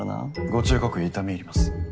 ご忠告痛み入ります。